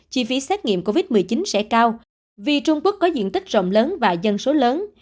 chi phí xét nghiệm covid một mươi chín sẽ cao vì trung quốc có diện tích rộng lớn và dân số lớn